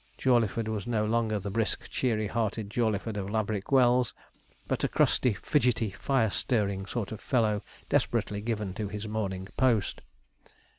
Jawleyford was no longer the brisk, cheery hearted Jawleyford of Laverick Wells, but a crusty, fidgety, fire stirring sort of fellow, desperately given to his Morning Post.